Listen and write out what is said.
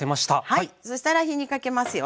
はいそしたら火にかけますよ。